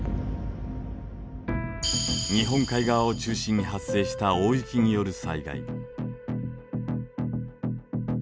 日本海側を中心に発生した大雪による災害。